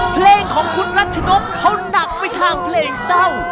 เพลงของคุณรัชนกเขาหนักไปทางเพลงเศร้า